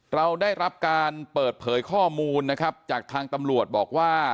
เราได้รับการเปิดเผยข้อมูลนะครับจากทางตำรวจบอกว่า